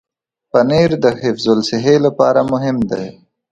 پنېر د حفظ الصحې لپاره مهم دی.